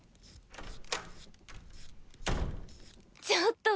ちょっと！